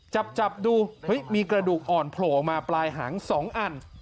จับดูเฮ้ยมีกระดูกอ่อนโผล่ออกมาปลายหาง๒อัน